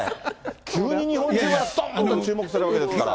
急に日本中がどーんと注目するわけですから。